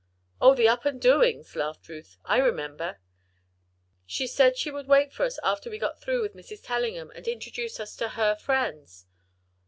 "Oh! the Up and Doings," laughed Ruth. "I remember." "She said she would wait for us after we get through with Mrs. Tellingham and introduce us to her friends."